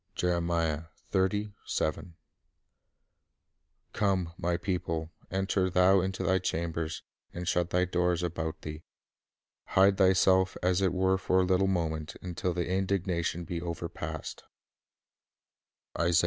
2 "Come, My people, enter thou into thy chambers, and shut thy doors about thee; hide thyself as it were for a little moment, until the indignation be overpast.""